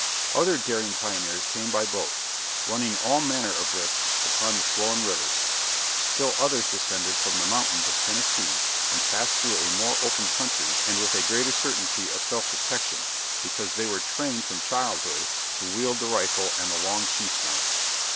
Other daring pioneers came by boat, running all manner of risks upon the swollen rivers. Still others descended from the mountains of Tennessee and passed through a more open country and with a greater certainty of self protection, because they were trained from childhood to wield the rifle and the long sheath knife.